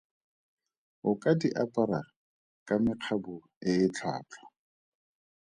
O ka di apara ka mekgabo e e tlhwatlhwa.